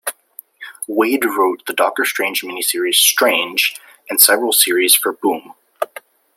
Waid wrote the Doctor Strange mini-series "Strange", and several series for Boom!